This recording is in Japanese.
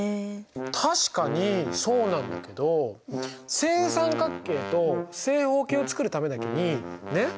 確かにそうなんだけど正三角形と正方形を作るためだけにねっ？